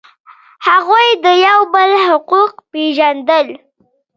هغوی د یو بل حقوق پیژندل.